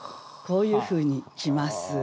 こういうふうに来ます。